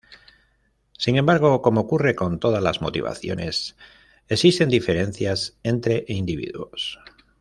Sin embargo, como ocurre con todas las motivaciones, existen diferencias entre individuos.